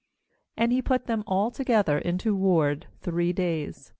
7 17And he put them all together into ward three days.